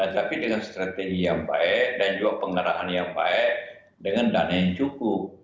tapi dengan strategi yang baik dan juga pengendaraan yang baik dengan dana yang cukup